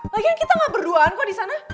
lagian kita gak berduaan kok disana